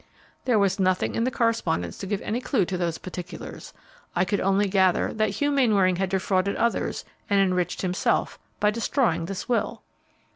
"There was nothing in the correspondence to give any clue to those particulars. I could only gather that Hugh Mainwaring had defrauded others and enriched himself by destroying this will."